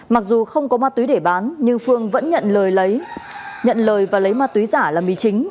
mặc dù không có ma túy để bán nhưng phương vẫn nhận lời nhận lời và lấy ma túy giả là mì chính